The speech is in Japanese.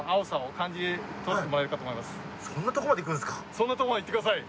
そんなとこまで行ってください。